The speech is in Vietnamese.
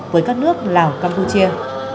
với các nước lào campuchia